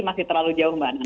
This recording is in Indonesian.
masih terlalu jauh mbak nana